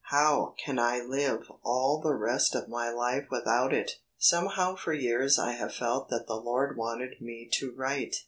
How can I live all the rest of my life without it? Somehow for years I have felt that the Lord wanted me to write.